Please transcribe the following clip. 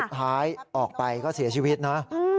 ท้ายออกไปก็เสียชีวิตนะ